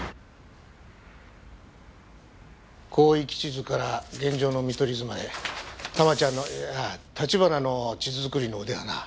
広域地図から現場の見取り図まで珠ちゃんのいや橘の地図作りの腕はな